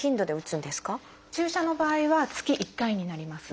注射の場合は月１回になります。